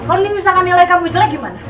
kalau ini misalkan nilai kamu itu lagi mana